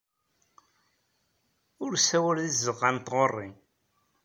Ur ssawal deg tzeɣɣa n tɣuri.